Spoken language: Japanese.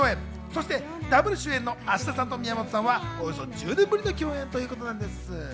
そしてダブル主演の芦田さんと宮本さんは、およそ１０年ぶりの共演ということなんです。